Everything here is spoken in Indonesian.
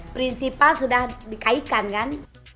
prinsipal sudah dikaitkan kan